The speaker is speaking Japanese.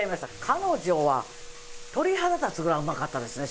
彼女は鳥肌立つぐらいうまかったですね